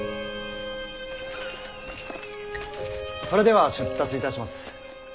それでは出立いたします。